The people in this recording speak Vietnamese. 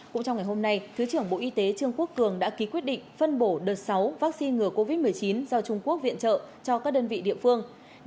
cũng trong ngày hôm nay thứ trưởng bộ y tế trương quốc cường đã ký quyết định phân bổ đợt sáu vaccine ngừa covid một mươi chín do trung quốc viện trợ cho các đơn vị địa phương